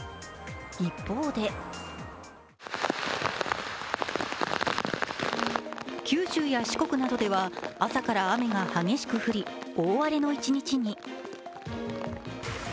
一方で九州や四国などでは朝から雨が激しく降り大荒れの一日に。